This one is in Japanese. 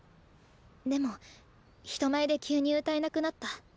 でも人前で急に歌えなくなった。